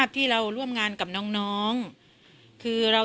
กินโทษส่องแล้วอย่างนี้ก็ได้